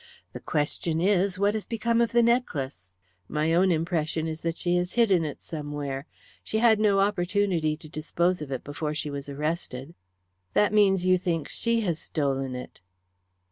The question is, what has become of the necklace? My own impression is that she has hidden it somewhere. She had no opportunity to dispose of it before she was arrested." "That means that you think she has stolen it."